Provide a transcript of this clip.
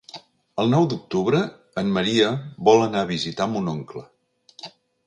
El nou d'octubre en Maria vol anar a visitar mon oncle.